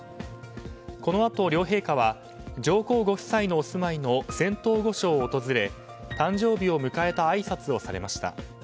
このあと、両陛下は上皇ご夫妻のお住まいの仙洞御所を訪れ誕生日を迎えたあいさつをされました。